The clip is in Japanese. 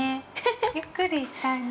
ゆっくりしたいね。